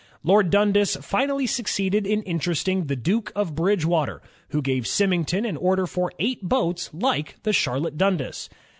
Lord Dundas finally succeeded in interesting the Duke of Bridgewater, who gave Symington an order for eight boats like the Charlotte Dundas.